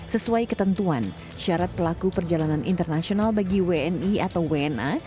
sesuai ketentuan syarat pelaku perjalanan internasional bagi wni atau wna